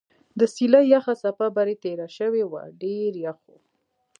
د څېلې یخه څپه برې تېره شوې وه ډېر یخ و.